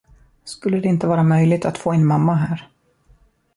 Skulle det inte vara möjligt att få in mamma här?